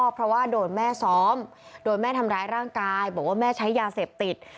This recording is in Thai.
เพราะว่าโดนแม่ซ้อมโดนแม่ทำร้ายร่างกายบอกว่าแม่ใช้ยาเสพติด